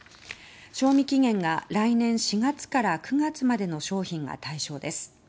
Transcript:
賞味期限が来年４月から９月までの商品が対象です。